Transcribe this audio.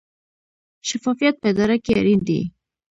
شفافیت په اداره کې اړین دی